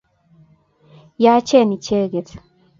Yaachen icheget.